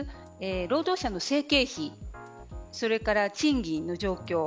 労働者の生計費それから賃金の状況